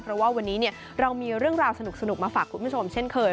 เพราะว่าวันนี้เรามีเรื่องราวสนุกมาฝากคุณผู้ชมเช่นเคย